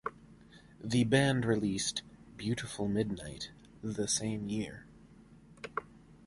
The band released "Beautiful Midnight" the same year.